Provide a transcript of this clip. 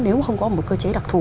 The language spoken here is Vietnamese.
nếu mà không có một cơ chế đặc thù